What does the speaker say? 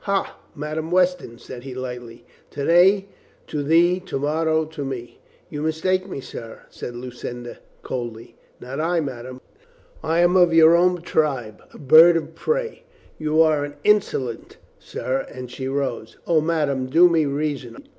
"Ha, Madame Weston," says he lightly. "To day to thee, to morrow to me." "You mistake me, sir," said Lucinda coldly. "Not I, madame. I am of your own tribe — a. bird of prey." "You are an insolent, sir," and she rose. "O, madame, do me reason.